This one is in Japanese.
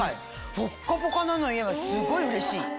ポッカポカなのよすごいうれしい。